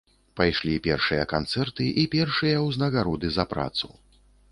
Пайшлі першыя канцэрты і першыя ўзнагароды за працу.